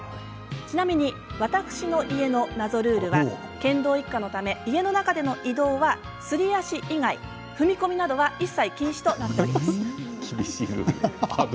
ちなみに、私の家の謎ルールは剣道一家のため家の中での移動はすり足以外、踏み込みなどは一切禁止となっております。